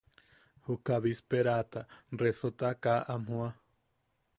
Juka bisperaata, resota kaa am joa.